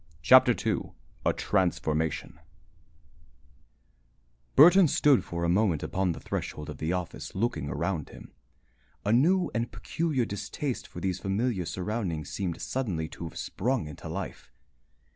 CHAPTER II A TRANSFORMATION Burton stood for a moment upon the threshold of the office, looking around him. A new and peculiar distaste for these familiar surroundings seemed suddenly to have sprung into life.